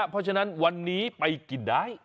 เพราะฉะนั้นวันนี้ไปกินได้